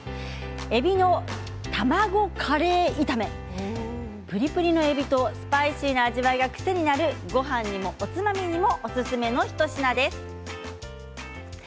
えびの卵カレー炒めプリプリのえびとスパイシーな味わいが癖になるごはんにもおつまみにもおすすめの一品です。